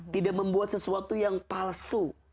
tidak membuat sesuatu yang palsu